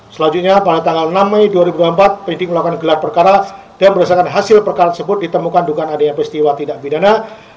selanjutnya pada tanggal enam mei dua ribu dua puluh empat penyidik melakukan gelar perkara dan berdasarkan hasil perkara tersebut ditemukan dugaan adanya peristiwa tidak pidana